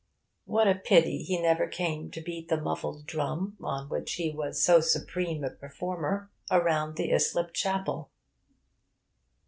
What a pity he never came to beat the muffled drum, on which he was so supreme a performer, around the Islip Chapel!